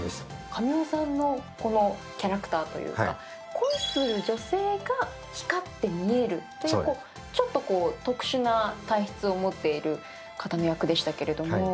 神尾さんのこのキャラクターというか、恋する女性が光って見えるというちょっと特殊な体質を持っている方の役でしたけれども。